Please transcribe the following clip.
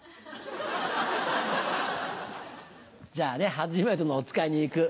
じゃあねはじめてのおつかいに行く。